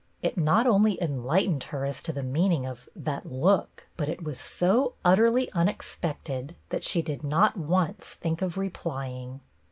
It not only enlightened her as to the meaning of " that look," but it was so utterly un expected that she did not once think of replying.